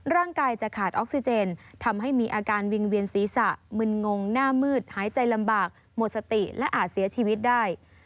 ร่างกายจะขาดออกซิเจนทำให้มีอาการวิ่งเวียนศีรษะมึนงงหน้ามืดหายใจลำบากหมดสติและอาจเสียชีวิตได้